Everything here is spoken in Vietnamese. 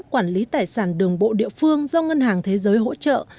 quản lý tài sản đường bộ địa phương do ngân hàng thế giới hỗ trợ